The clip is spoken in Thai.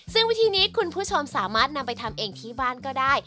ซึ่งวิธีนี้คุณผู้ชมสามารถนำไปทำเองที่บ้านก็ได้